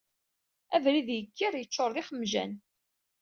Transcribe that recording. Abrid yekker, yeččur d ixemjan.